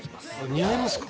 似合いますか？